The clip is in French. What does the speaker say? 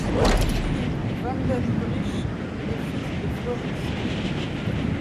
Philippe Vandendriessche est fils de fleuristes.